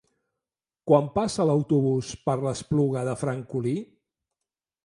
Quan passa l'autobús per l'Espluga de Francolí?